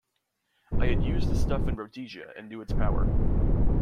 I had used the stuff in Rhodesia and knew its power.